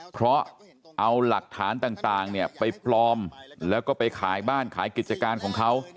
เพราะเอาหลักฐานต่างเนี่ยไปปลอมแล้วก็ไปขายบ้านขายกิจการของเขา